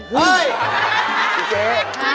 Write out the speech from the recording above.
เฮ้ยพี่เจ๊